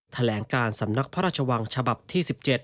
แถลงการสำนักพระราชวังฉบับที่๑๗